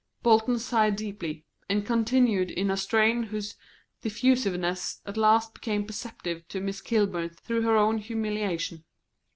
Bolton sighed deeply, and continued in a strain whose diffusiveness at last became perceptible to Miss Kilburn through her own humiliation.